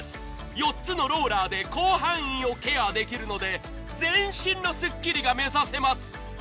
４つのローラーで広範囲をケアできるので全身のすっきりが目指せます